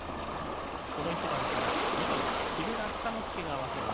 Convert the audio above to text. この一番から２番木村寿之介が合わせます。